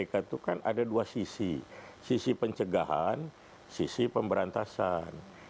kpk itu kan ada dua sisi sisi pencegahan sisi pemberantasan